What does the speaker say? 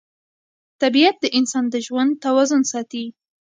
طبیعت د انسان د ژوند توازن ساتي